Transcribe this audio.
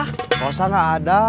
gak usah gak ada